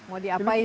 mau diapain ini